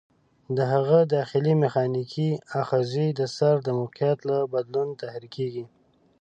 د هغې داخلي میخانیکي آخذې د سر د موقعیت له بدلون تحریکېږي.